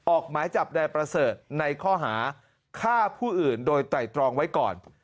ออกหมายจับนายประเสริฐในข้อหาฆ่าผู้อื่นโดยไตรตรองไว้ก่อน